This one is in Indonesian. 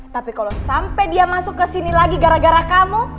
tapi kalau sampai dia masuk ke sini lagi gara gara kamu